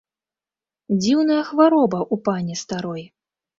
Дзіўная хвароба ў пані старой.